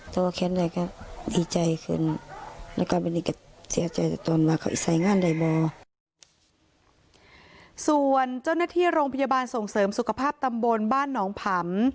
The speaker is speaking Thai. ส่วนเจ้าหน้าที่โรงพยาบาลส่งเสริมสุขภาพตำบลบ้านหนองผำ